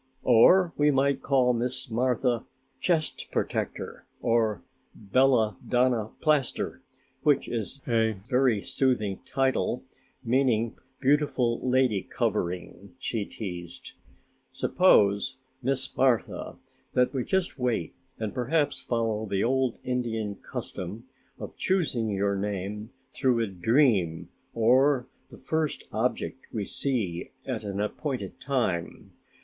"Or we might call Miss Martha 'Chest Protector' or 'Bella Donna Plaster', which is a very soothing title, meaning 'Beautiful Lady Covering'," she teased. "Suppose, Miss Martha, that we just wait and perhaps follow the old Indian custom of choosing your name through a dream or the first object we see at an appointed time.